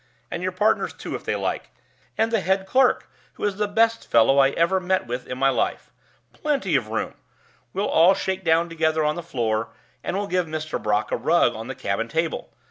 And your partners, too, if they like. And the head clerk, who is the best fellow I ever met with in my life. Plenty of room we'll all shake down together on the floor, and we'll give Mr. Brock a rug on the cabin table.